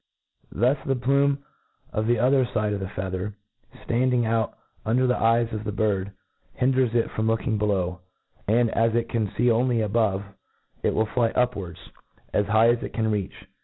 Thus the plume of the other fide of the feather, ftaiiding out under the eyes of the bird, hinders it from looking below j and as it can fee only a bove, it will fly upwards as high as it can reach.